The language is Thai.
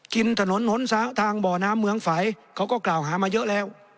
กินถนนหนสาวทางบ่อน้ำเมืองไฝเขาก็กล่าวหามาเยอะแล้ว